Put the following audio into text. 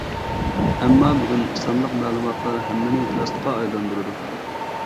ئەمما بۈگۈن سانلىق مەلۇماتلار ھەممىنى راستقا ئايلاندۇرىدۇ.